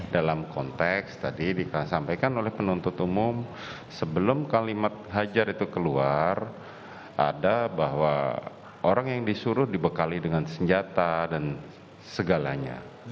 dalam konteks tadi disampaikan oleh penuntut umum sebelum kalimat hajar itu keluar ada bahwa orang yang disuruh dibekali dengan senjata dan segalanya